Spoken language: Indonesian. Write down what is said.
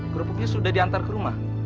kerupuknya sudah diantar ke rumah